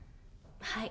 はい。